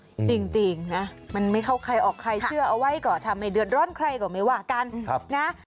จริงจริงนะมันไม่เข้าใครออกใครเชื่อเอาไว้ก็ทำให้เดือดร้อนใครก็ไม่ว่ากันครับนะ